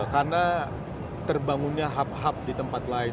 karena terbangunnya hub hub di tempat lain